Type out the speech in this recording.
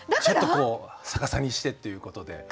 ちょっとこう逆さにしてっていうことで。